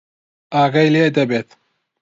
ئاگای لێ دەبێت.